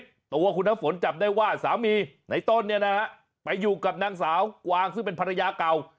ตัวคุณน้ำฝนจับได้ว่าสามีในต้นเนี่ยนะฮะไปอยู่กับนางสาวกวางซึ่งเป็นภรรยาเก่า